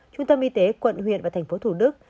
trung tâm y tế quận huyện và thành phố thủ đức